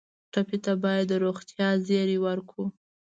ټپي ته باید د روغتیا زېری ورکړو.